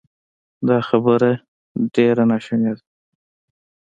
دا خبره ډېره ناشونې ده